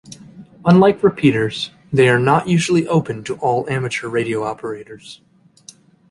Unlike repeaters, they are not usually open to all amateur radio operators.